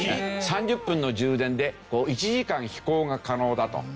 ３０分の充電で１時間飛行が可能だと。